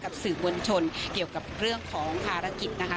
สื่อมวลชนเกี่ยวกับเรื่องของภารกิจนะคะ